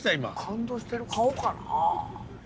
感動してる顔かなあ？